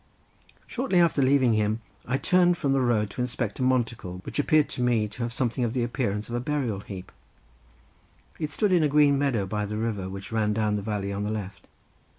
Shortly after leaving him, I turned from the road to inspect a monticle which appeared to me to have something of the appearance of a burial heap. It stood in a green meadow by the river which ran down the valley on the left.